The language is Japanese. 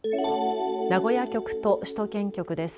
名古屋局と首都圏局です。